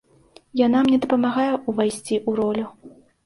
Яна мне дапамагае ўвайсці ў ролю.